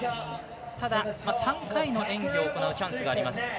ただ、３回の演技を行うチャンスがあります。